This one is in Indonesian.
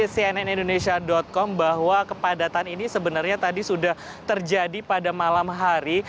cnn indonesia com bahwa kepadatan ini sebenarnya tadi sudah terjadi pada malam hari